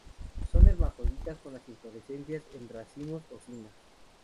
Son hermafroditas con la inflorescencias en racimos o cimas.